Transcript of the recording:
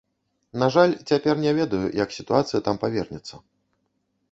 На жаль, цяпер не ведаю, як сітуацыя там павернецца.